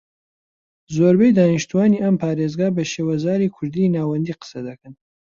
زۆربەی دانیشتوانی ئەم پارێزگا بە شێوەزاری کوردیی ناوەندی قسە دەکەن